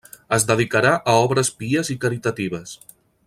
Es dedicarà a obres pies i caritatives.